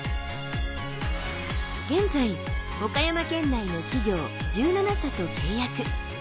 現在岡山県内の企業１７社と契約。